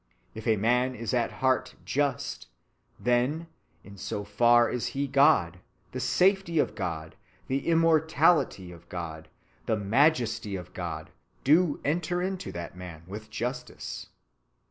If a man is at heart just, then in so far is he God; the safety of God, the immortality of God, the majesty of God, do enter into that man with justice.